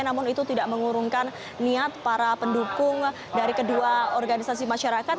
namun itu tidak mengurungkan niat para pendukung dari kedua organisasi masyarakat